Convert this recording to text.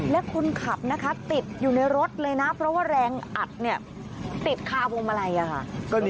และคนขับนะคะติดอยู่ในรถเลยนะเพราะว่าแรงอัดเนี่ยติดคาพวงมาลัยค่ะ